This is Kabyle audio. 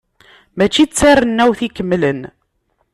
Mačči d tarennawt ikemlen.